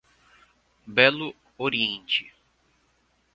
Belo Oriente